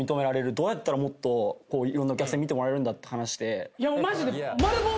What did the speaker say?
どうやったらもっといろんなお客さんに見てもらえるんだ？って話して。